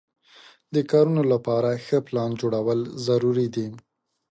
د کارونو لپاره ښه پلان جوړول ضروري دي.